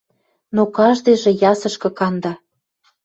Но каждыйжы ясышкы канда.